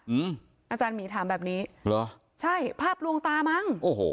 อืมอาจารย์หมีถามแบบนี้เหรอใช่ภาพลวงตามั้งโอ้โห